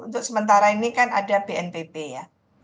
untuk sementara ini kan ada bnpb ya